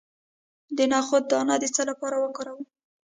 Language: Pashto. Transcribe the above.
د نخود دانه د څه لپاره وکاروم؟